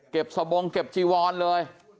เก็บสบงเก็บจีวรเลย